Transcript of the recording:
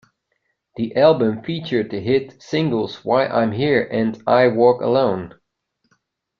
The album featured the hit singles "Why I'm Here" and "I Walk Alone.